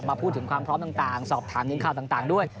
พูดถึงความพร้อมต่างสอบถามถึงข่าวต่างด้วย